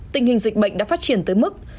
tình hình dịch bệnh đã phát triển tới mức